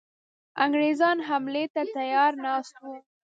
انګرېزان حملې ته تیار ناست وه.